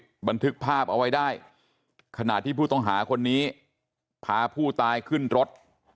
บันทึกภาพเอาไว้ได้ขณะที่ผู้ต้องหาคนนี้พาผู้ตายขึ้นรถ